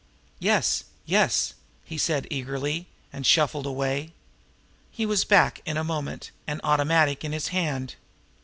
"Yes, yes!" he said eagerly and shuffled away. He was back in a moment, an automatic in his hand.